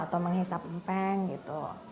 atau menghisap empeng gitu